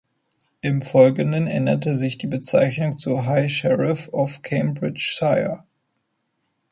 Im Folgenden änderte sich die Bezeichnung zu High Sheriff of Cambridgeshire.